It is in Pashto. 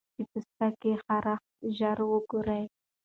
د پوستکي خارښت ژر وګورئ.